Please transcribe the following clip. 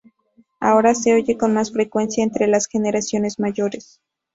Ahora se oye con más frecuencia entre las generaciones mayores.